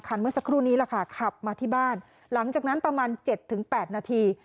เมื่อสักครู่นี้แหละค่ะขับมาที่บ้านหลังจากนั้นประมาณ๗๘นาที